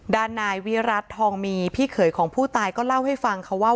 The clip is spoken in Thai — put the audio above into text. ด้านนายวิรัติทองมีพี่เขยของผู้ตายก็เล่าให้ฟังค่ะว่า